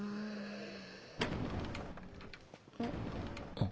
あっ。